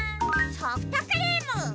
ソフトクリーム！